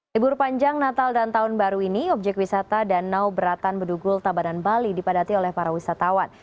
libur panjang natal dan tahun baru ini objek wisata danau beratan bedugul tabanan bali dipadati oleh para wisatawan